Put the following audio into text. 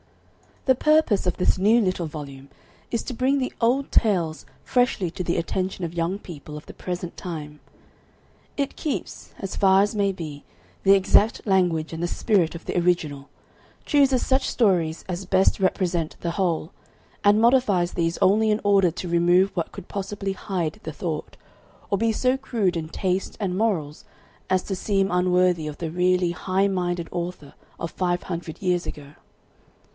The purpose of this new little volume is to bring the old tales freshly to the attention of young people of the present time. It keeps, as far as may be, the exact language and the spirit of the original, chooses such stories as best represent the whole, and modifies these only in order to remove what could possibly hide the thought, or be so crude in taste and morals as to seem unworthy of the really high minded author of five hundred years ago.